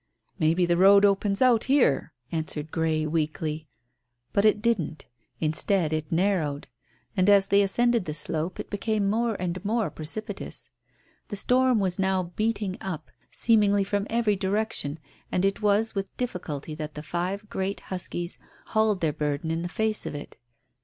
"Maybe the road opens out here," answered Grey weakly. But it didn't. Instead it narrowed. And as they ascended the slope it became more and more precipitous. The storm was now beating up, seemingly from every direction, and it was with difficulty that the five great huskies hauled their burden in the face of it.